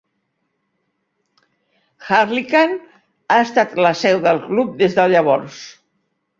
Harlyckan ha estat la seu del club des de llavors.